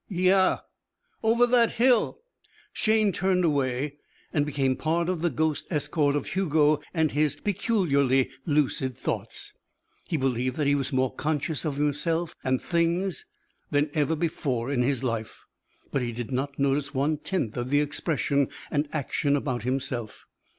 "Yeah?" "Over that hill." Shayne turned away and became part of the ghost escort of Hugo and his peculiarly lucid thoughts. He believed that he was more conscious of himself and things then than ever before in his life. But he did not notice one tenth of the expression and action about himself.